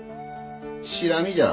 シラミじゃ。